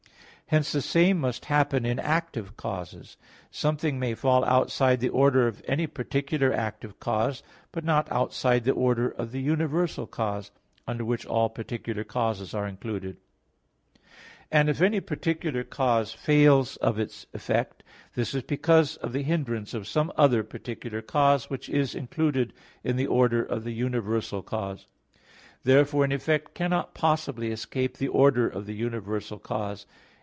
Hence the same must happen in active causes. Something may fall outside the order of any particular active cause, but not outside the order of the universal cause; under which all particular causes are included: and if any particular cause fails of its effect, this is because of the hindrance of some other particular cause, which is included in the order of the universal cause. Therefore an effect cannot possibly escape the order of the universal cause.